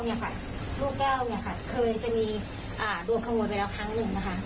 ลูกแก้วเนี่ยค่ะเคยจะมีโดนขโมยไปแล้วครั้งหนึ่งนะคะ